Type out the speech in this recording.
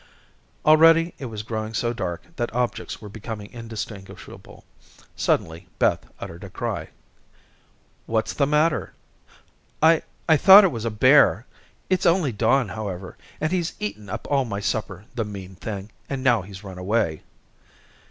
Already it was growing so dark that objects were becoming indistinguishable. Suddenly Beth uttered a cry. "What's the matter?" "I, I thought it was a bear. It's only Don, however, and he's eaten up all my supper, the mean thing, and now he's run away."